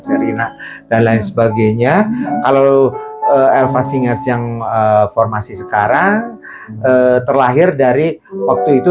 verina dan lain sebagainya kalau elva singers yang formasi sekarang terlahir dari waktu itu